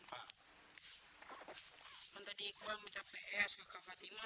yang tadi ikhwal minta ps ke kak fatima